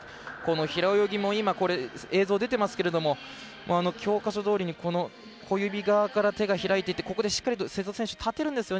平泳ぎも今、映像出てますけれど教科書どおりに小指側から手が開いてここでしっかりと瀬戸選手立てるんですよ。